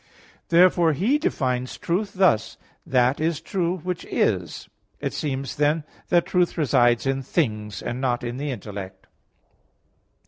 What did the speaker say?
Therefore he defines truth thus: "That is true which is." It seems, then, that truth resides in things, and not in the intellect.